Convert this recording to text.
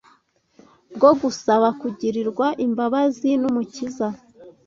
bwo gusaba kugirirwa imbabazi n’Umukiza